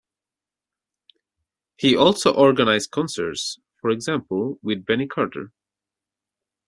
He also organised concerts, for example with Benny Carter.